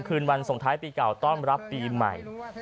คืนวันส่งท้ายปีเก่าต้อนรับปีใหม่